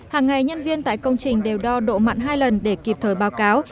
hàng ngày nhân viên tại công trình đều đo độ mặn hai lần để kịp thời báo cáo